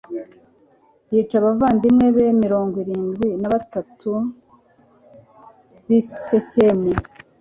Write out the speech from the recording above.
yica abavandimwe be mirongo irindwi n'abantu b'i sikemu